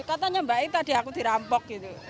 apa yang dirampok